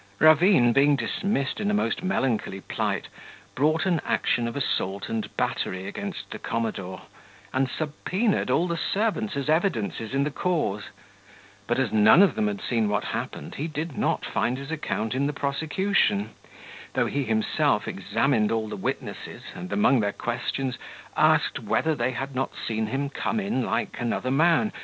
Ravine being dismissed in a most melancholy plight, brought an action of assault and battery against the commodore, and subpoenaed all the servants as evidences in the cause; but as none of them had seen what happened, he did not find his account in the prosecution, though he himself examined all the witnesses, and, among their questions, asked, whether they had not seen him come in like another man?